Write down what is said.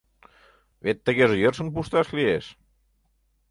Вет тыгеже йӧршын пушташ лиеш...